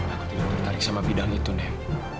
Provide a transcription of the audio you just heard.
aku tidak tertarik sama bidang itu nek